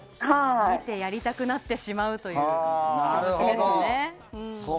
見てやりたくなってしまうということですね。